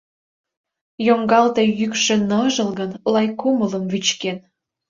Йоҥгалте йӱкшӧ ныжылгын, Лай кумылым вӱчкен.